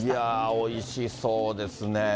おいしそうですね。